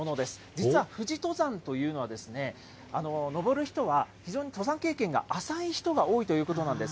実は富士登山というのは登る人は非常に登山経験が浅い人が多いということなんです。